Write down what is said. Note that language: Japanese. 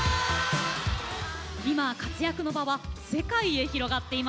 今活躍の場は世界へ広がっています。